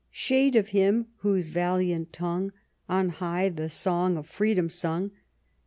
Shade of him whose valiant tongue On high the song of freedom sung